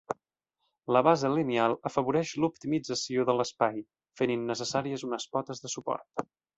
La base lineal afavoreix l'optimització de l'espai, fent innecessàries unes potes de suport.